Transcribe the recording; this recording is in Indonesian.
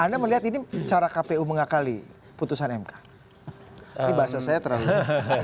anda melihat ini cara kpu mengakali putusan mk ini bahasa saya terlalu